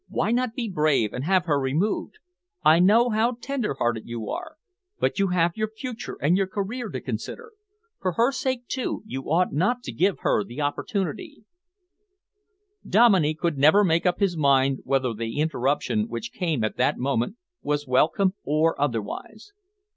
"Why not be brave and have her removed. I know how tender hearted you are, but you have your future and your career to consider. For her sake, too, you ought not to give her the opportunity " Dominey could never make up his mind whether the interruption which came at that moment was welcome or otherwise.